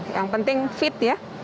yang penting fit ya